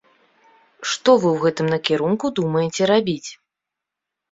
Што вы ў гэтым накірунку думаеце рабіць?